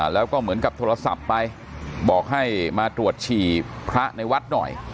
แล้วก็เหมือนกับโทรศัพท์ไปบอกให้มาตรวจฉี่พระในวัดหน่อย